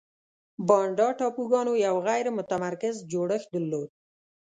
بانډا ټاپوګانو یو غیر متمرکز جوړښت درلود.